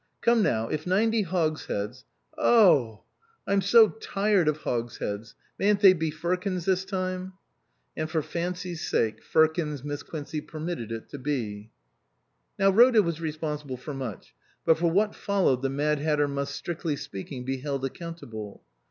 Come now, if ninety hogsheads "" Oh h ! I'm so tired of hogsheads ; mayn't it be firkins this time ?" And, for fancy's sake, firkins Miss Quincey permitted it to be. Now Rhoda was responsible for much, but for what followed the Mad Hatter must, strictly speaking, be held accountable.